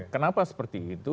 kenapa seperti itu